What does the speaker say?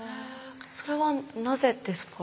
それはなぜですか？